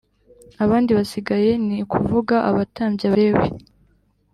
Abandi basigaye ni ukuvuga abatambyi abalewi